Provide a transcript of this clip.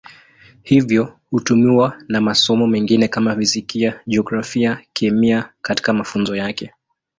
Hivyo hutumiwa na masomo mengine kama Fizikia, Jiografia, Kemia katika mafunzo yake.